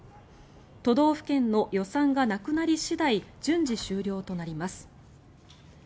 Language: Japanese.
都道府県の予算がなくなり次第順次終了となります。